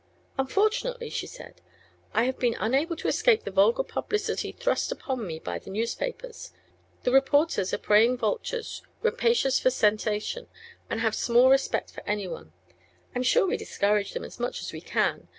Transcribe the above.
"Unfortunately," she said, "I have been unable to escape the vulgar publicity thrust upon me by the newspapers. The reporters are preying vultures, rapacious for sensation, and have small respect for anyone. I am sure we discourage them as much as we can.